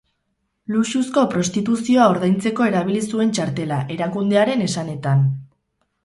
Luxuzko prostituzioa ordaintzeko erabili zuen txartela, erakundearen esanetan.